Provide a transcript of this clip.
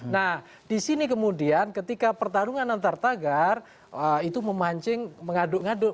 nah disini kemudian ketika pertarungan antar tagar itu memancing mengaduk ngaduk